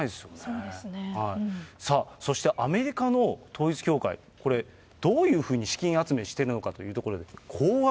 さあ、そしてアメリカの統一教会、これ、どういうふうに資金集めしてるのかというところで、これです。